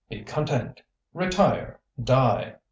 Be content. Retire! Die!